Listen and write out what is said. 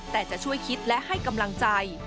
แต่จะช่วยคิดและให้กำลังใจ